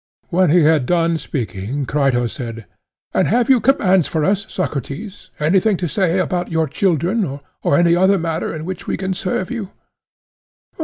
When he had done speaking, Crito said: And have you any commands for us, Socrates—anything to say about your children, or any other matter in which we can serve you?